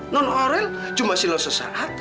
nenek aurel cuma silah sesaat